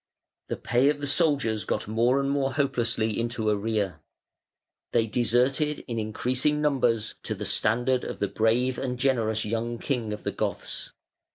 The pay of the soldiers got more and more hopelessly into arrear. They deserted in increasing numbers to the standard of the brave and generous young king of the Goths.